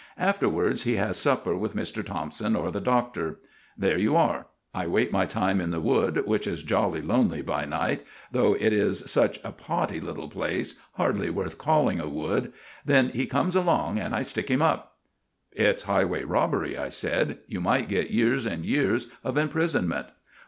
Afterwards he has supper with Mr. Thompson or the Doctor. There you are. I wait my time in the wood, which is jolly lonely by night, though it is such a potty little place hardly worth calling a wood; then he comes along, and I stick him up." "It's highway robbery," I said. "You might get years and years of imprisonment."